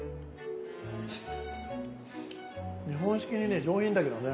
日本式にね上品だけどね。